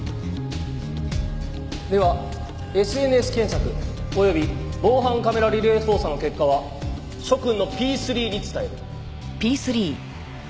ではＳＮＳ検索及び防犯カメラリレー捜査の結果は諸君のＰⅢに伝える。